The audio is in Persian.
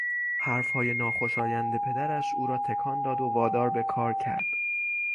حرفهای ناخوشایند پدرش او را تکان داد و وادار به کار کرد.